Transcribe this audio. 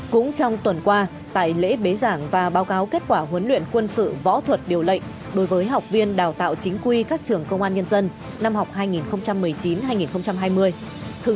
cũng trong tuần qua tại lễ bế giảng và báo cáo kết quả huấn luyện quân sự võ thuật điều lệnh đối với học viên đào tạo chính quy các trường công an nhân dân năm học hai nghìn một mươi chín hai nghìn hai mươi